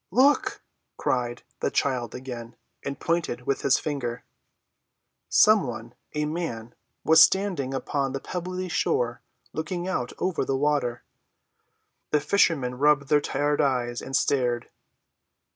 "Look!" cried the child again, and pointed with his finger. Some one—a man—was standing upon the pebbly shore looking out over the water. The fishermen rubbed their tired eyes and stared.